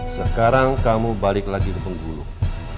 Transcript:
sekarang kamu balik lagi ke bengkulu